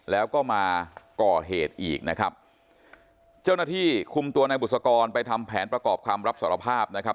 แล้วก็มาก่อเหตุอีกนะครับเจ้าหน้าที่คุมตัวนายบุษกรไปทำแผนประกอบคำรับสารภาพนะครับ